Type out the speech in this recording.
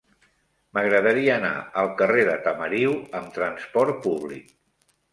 M'agradaria anar al carrer de Tamariu amb trasport públic.